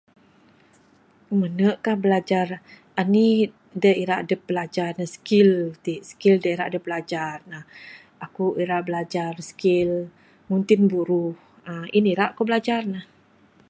Menih ka belajar anih dak ira dep belajar skill t skill dak ira adep belajar ne aku ira belajar skill ngunting buruh uhh en ira ku belajar ne.